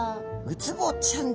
ウツボちゃん。